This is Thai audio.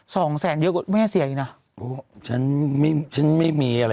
สองแสนเยอะกว่าแม่เสียอีกนะโอ้ฉันไม่ฉันไม่มีอะไร